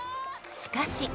しかし。